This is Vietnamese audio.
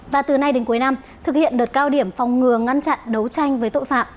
và từ nay đến cuối năm thực hiện đợt cao điểm phòng ngừa ngăn chặn đấu tranh với tội phạm